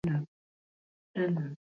furaha za watu na huzuni za baadhi ya watu